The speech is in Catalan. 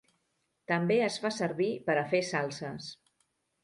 També es fa servir per a fer salses.